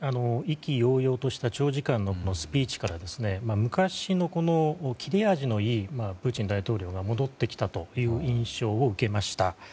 意気揚々とした長時間のスピーチから昔の切れ味のいいプーチン大統領が戻ってきたという印象を受けました。